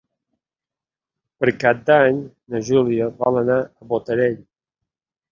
Per Cap d'Any na Júlia vol anar a Botarell.